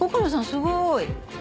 すごーい！